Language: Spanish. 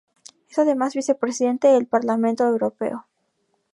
Es además vicepresidente del Parlamento Europeo.